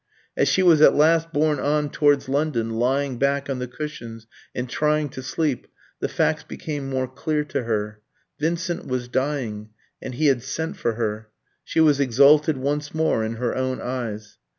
As she was at last borne on towards London, lying back on the cushions and trying to sleep, the facts became more clear to her. Vincent was dying; and he had sent for her. She was exalted once more in her own eyes.